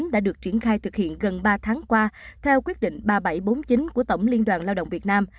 đã được triển khai thực hiện gần ba tháng qua theo quyết định ba nghìn bảy trăm bốn mươi chín của tổng liên đoàn lao động việt nam